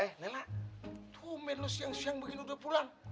eh nela tuh main lo siang siang begini udah pulang